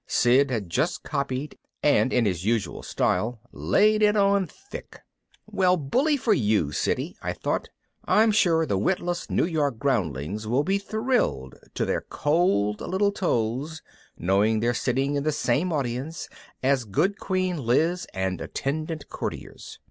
Sid had just copied and in his usual style laid it on thick. Well, bully for you, Siddy, I thought, _I'm sure the witless New York groundlings will be thrilled to their cold little toes knowing they're sitting in the same audience as Good Queen Liz and attendant courtiers.